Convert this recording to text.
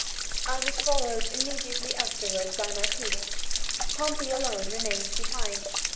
I was followed immediately afterward by my poodle. Pompey alone remained behind.